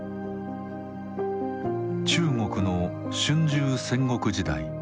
中国の春秋・戦国時代。